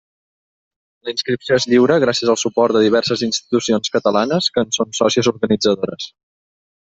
La inscripció es lliure, gràcies al suport de diverses institucions catalanes que en són sòcies organitzadores.